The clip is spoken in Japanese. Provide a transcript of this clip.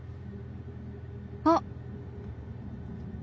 あっ！